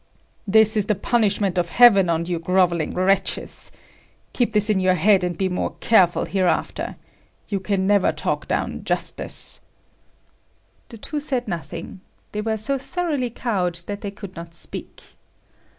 "This is the punishment of heaven on you grovelling wretches. Keep this in your head and be more careful hereafter. You can never talk down justice." The two said nothing. They were so thoroughly cowed that they could not speak.